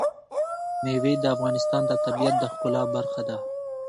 مېوې د افغانستان د طبیعت د ښکلا برخه ده.